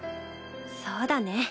そうだね。